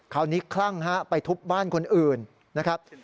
คลั่งฮะไปทุบบ้านคนอื่นนะครับ